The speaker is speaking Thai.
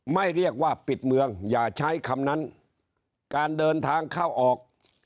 เรียกว่าปิดเมืองอย่าใช้คำนั้นการเดินทางเข้าออก